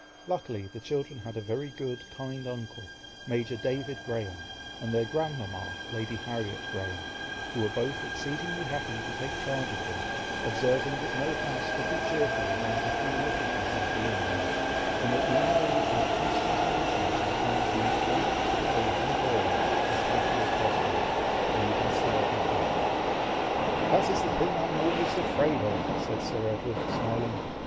Luckily the children had a very good, kind uncle, Major David Graham, and their grandmama, Lady Harriet Graham, who were both exceedingly happy to take charge of them, observing that no house could be cheerful without a few little people being there, and that now they would have constant amusement in trying to make Frank, Harry, and Laura, as happy as possible, and even still happier. "That is the thing I am almost afraid of!" said Sir Edward, smiling.